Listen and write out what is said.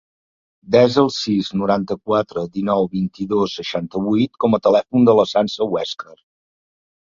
Desa el sis, noranta-quatre, dinou, vint-i-dos, seixanta-vuit com a telèfon de la Sança Huescar.